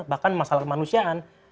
bahkan masalah kemanusiaan